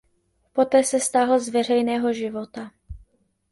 Poté se stáhl z veřejného života.